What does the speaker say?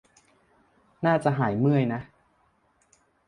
น่าจะหายเมื่อยนะ